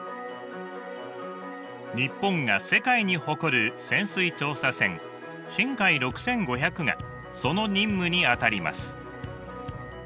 日本が世界に誇る潜水調査船しんかい６５００がその任務にあたります。